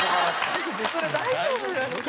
それ大丈夫なやつかな？